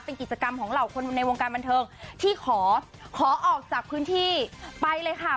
เป็นกิจกรรมของเหล่าคนในวงการบันเทิงที่ขอขอออกจากพื้นที่ไปเลยค่ะ